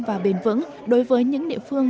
và bền vững đối với những địa phương